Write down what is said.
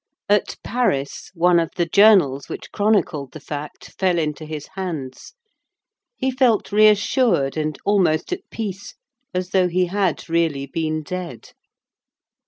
At Paris, one of the journals which chronicled the fact fell into his hands. He felt reassured and almost at peace, as though he had really been dead.